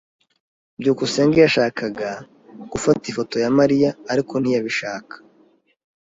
byukusenge yashakaga gufata ifoto ya Mariya, ariko ntiyabishaka.